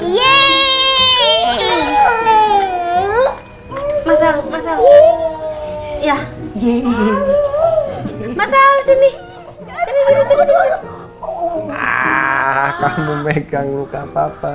ya iya masal sini sini kamu megang ruka papa